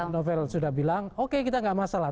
novel sudah bilang oke kita nggak masalah